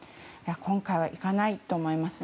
今回はいかないと思います。